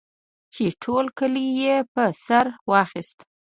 چې ټول کلی یې په سر واخیست.